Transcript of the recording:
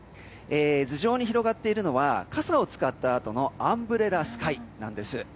頭上に広がっているのは傘を使ったあとのアンブレラスカイです。